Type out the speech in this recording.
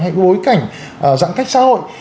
hay bối cảnh giãn cách xã hội